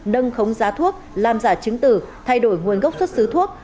nâng khống giá thuốc làm giả chứng tử thay đổi nguồn gốc xuất xứ thuốc